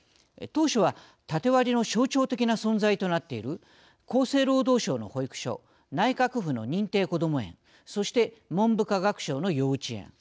当初はタテ割りの象徴的な存在となっている厚生労働省の保育所内閣府の認定こども園そして文部科学省の幼稚園